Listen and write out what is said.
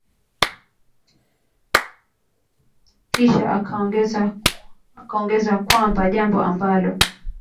Kisha akaongeza kwamba jambo ambalo